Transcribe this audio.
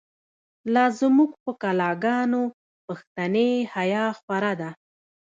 لا زمونږ په کلا گانو، پښتنی حیا خوره ده